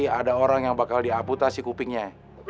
gak ada orang yang bakal di amputasi kupingnya